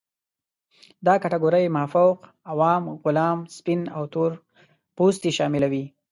دا کټګورۍ مافوق، عوام، غلام، سپین او تور پوستې شاملوي.